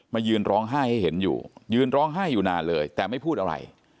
ยืนร้องไห้ให้เห็นอยู่ยืนร้องไห้อยู่นานเลยแต่ไม่พูดอะไร